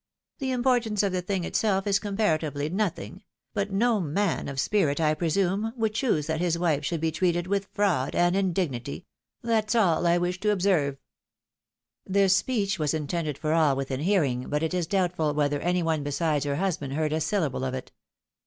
The im portance of the thing itself is comparatively nothing — but no man of spirit, I presume, would choose that his wife should be treated with fraud and indignity — that's all I wish to observe." This speech was intended for all within hearing, but it is doubtful whether any one besides her husband heard a syllable of it.